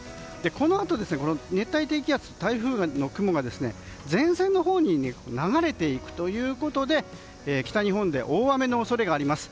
このあと、熱帯低気圧台風の雲が前線のほうに流れていくということで北日本で大雨の恐れがあります。